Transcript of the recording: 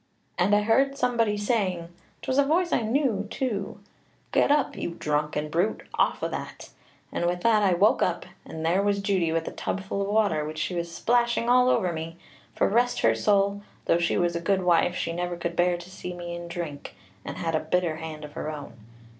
and I heard somebody saying 'twas a voice I knew, too 'Get up, you drunken brute, off o' that;' and with that I woke up, and there was Judy with a tub full of water, which she was splashing all over me for, rest her soul! though she was a good wife, she never could bear to see me in drink, and had a bitter hand of her own.